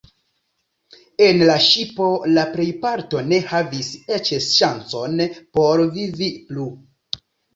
En la ŝipo la plejparto ne havis eĉ ŝancon por vivi plu.